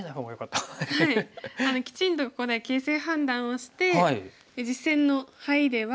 きちんとここで形勢判断をして実戦のハイでは。